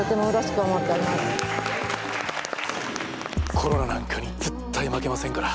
コロナなんかに絶対負けませんから。